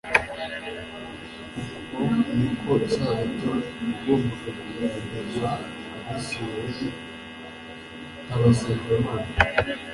Uko niko Isabato yagombaga kugaragaza abisiraeli nk'abasenga Imana.